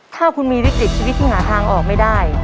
ถ้าคุณมีวิกฤตชีวิตที่หาทางออกไม่ได้